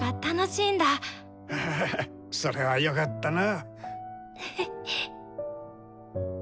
ハハハそれはよかったな。